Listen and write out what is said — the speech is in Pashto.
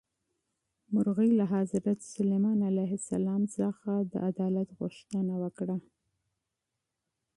مرغۍ له حضرت سلیمان علیه السلام څخه د عدالت غوښتنه وکړه.